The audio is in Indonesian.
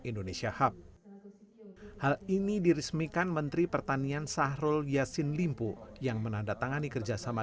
indonesia hub hal ini diresmikan menteri pertanian sahrul yassin limpo yang menandatangani kerjasama